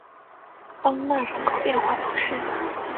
邦讷人口变化图示